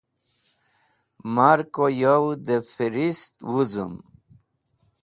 Mar ko yo dẽ fẽrist wuzẽm.